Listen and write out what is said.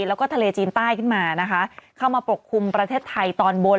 แล้วก็ทะเลจีนใต้ขึ้นมานะคะเข้ามาปกคลุมประเทศไทยตอนบน